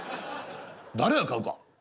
誰が買うか。